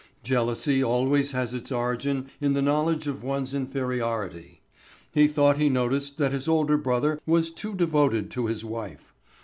Jealousy always has its origin in the knowledge of one's inferiority. He thought he noticed that his older brother was too devoted to his wife.